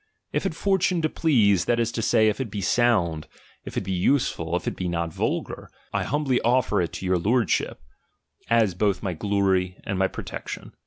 If it fortune to please, that is to say, if it be sound, if it be useful, if it be not vulgar ; I humbly offer it to your Lordship, as both my glory and my protection.